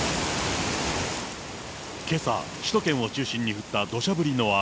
けさ、首都圏を中心に降ったどしゃ降りの雨。